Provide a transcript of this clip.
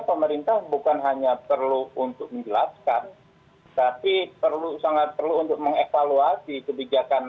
pemerintah bukan hanya perlu untuk menjelaskan